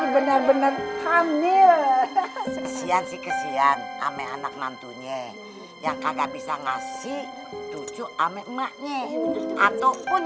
bener bener hamil kesian kesian ame anak nantunya yang kagak bisa ngasih tujuk ame emaknya ataupun